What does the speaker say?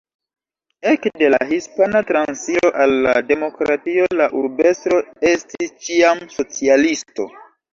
Ekde la Hispana Transiro al la Demokratio la urbestro estis ĉiam socialisto.